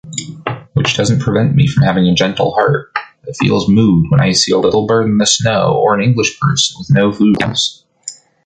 Which doesn’t prevent me from having a gentle heart, that feels moved when I see a little bird in the snow or an English person with no food for a whole three hours.